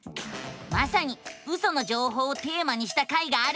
まさにウソの情報をテーマにした回があるのさ！